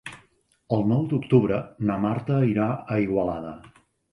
El nou d'octubre na Marta irà a Igualada.